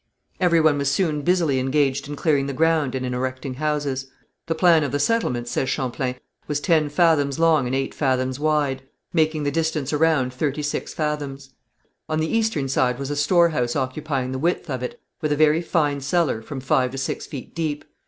Every one was soon busily engaged in clearing the ground and in erecting houses. The plan of the settlement, says Champlain, was ten fathoms long and eight fathoms wide, making the distance around thirty six fathoms. On the eastern side was a storehouse occupying the width of it, with a very fine cellar, from five to six feet deep.